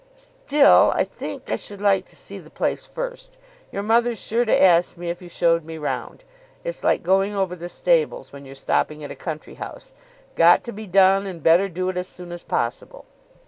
Still, I think I should like to see the place first. Your mother's sure to ask me if you showed me round. It's like going over the stables when you're stopping at a country house. Got to be done, and better do it as soon as possible."